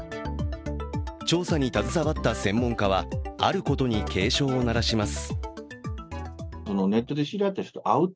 調査に携わった専門家は、あることに警鐘を鳴らします。